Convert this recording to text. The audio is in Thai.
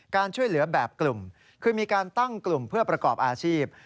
การช่วยเหลือแบบกลุ่มคือมีการตั้งกลุ่มเพื่อประกอบอาชีพ